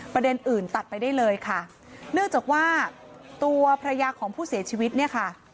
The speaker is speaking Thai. ประเด็นอื่นตัดไปได้เลยค่ะเนื่องจากว่าตัวภรรยาของผู้เสียชีวิตเนี่ยค่ะ